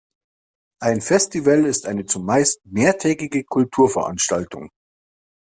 Ein Festival ist eine zumeist mehrtägige Kulturveranstaltung